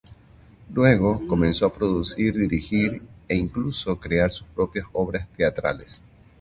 Luego comenzó a producir, dirigir, e incluso crear sus propias obras teatrales.